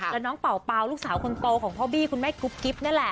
แล้วน้องเป่าลูกสาวคนโตของพ่อบี้คุณแม่กุ๊บกิ๊บนั่นแหละ